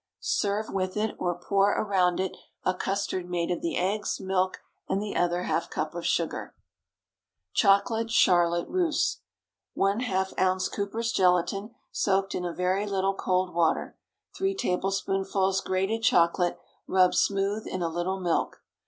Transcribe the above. Serve with it, or pour around it, a custard made of the eggs, milk, and the other half cup of sugar. CHOCOLATE CHARLOTTE RUSSE. ✠ ½ oz. Cooper's gelatine, soaked in a very little cold water. 3 tablespoonfuls grated chocolate rubbed smooth in a little milk.